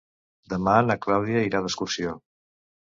Demà na Clàudia irà d'excursió.